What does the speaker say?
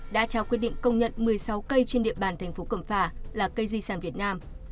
đã trao quyết định công nhận một mươi sáu cây trên địa bàn thành phố cẩm phả là cây di sản việt nam